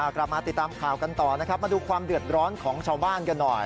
กลับมาติดตามข่าวกันต่อนะครับมาดูความเดือดร้อนของชาวบ้านกันหน่อย